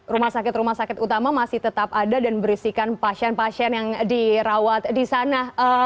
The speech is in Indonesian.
rumah sakit rumah sakit utama masih tetap ada dan berisikan pasien pasien yang dirawat di sana